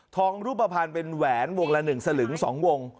รูปภัณฑ์เป็นแหวนวงละ๑สลึง๒วง